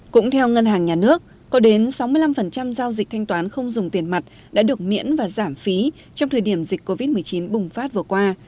cũng theo ngân hàng nhà nước có đến sáu mươi năm giao dịch thanh toán không dùng tiền mặt đã được miễn và giảm phí trong thời điểm dịch covid một mươi chín bùng phát vừa qua